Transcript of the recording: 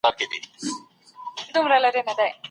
زیات سکرین کتل سترګې کمزوري کوي.